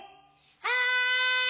はい！